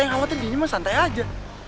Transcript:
yang khawatir dia ini mah santai aja